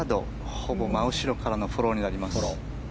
ほぼ真後ろからのフォローになります。